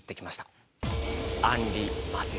アンリ・マティス。